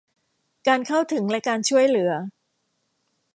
การเข้าถึงและการช่วยเหลือ